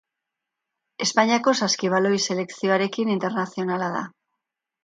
Espainiako saskibaloi selekzioarekin internazionala da.